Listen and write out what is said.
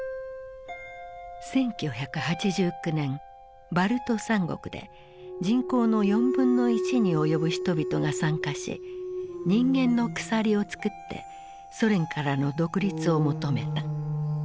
１９８９年バルト三国で人口の４分の１に及ぶ人々が参加し人間の鎖を作ってソ連からの独立を求めた。